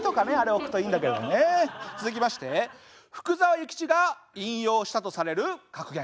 続きまして福澤諭吉が引用したとされる格言。